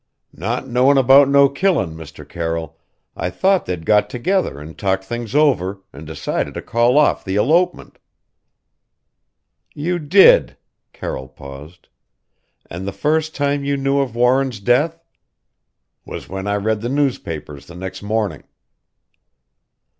"Not knowin' about no killin', Mr. Carroll I thought they'd got together and talked things over an' decided to call off the elopement!" "You did " Carroll paused. "And the first time you knew of Warren's death?" "Was when I read the newspapers the next morning."